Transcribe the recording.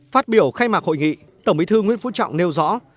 phát biểu khai mạc hội nghị tổng bí thư nguyễn phú trọng nêu rõ